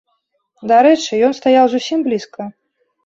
Дарэчы, ён стаяў зусім блізка.